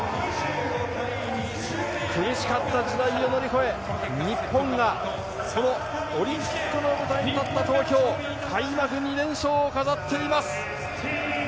苦しかった時代を乗り越え日本が、そのオリンピックの舞台に立った東京開幕２連勝を飾っています！